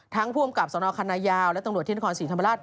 ผู้อำกับสนคณะยาวและตำรวจที่นครศรีธรรมราช